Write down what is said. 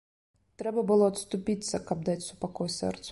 Трэба было адступіцца, каб даць супакой сэрцу.